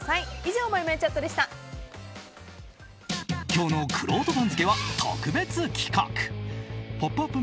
今日のくろうと番付は特別企画「ポップＵＰ！」